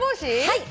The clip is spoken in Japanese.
はい。